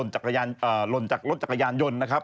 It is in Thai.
หล่นจากรถจักรยานยนต์นะครับ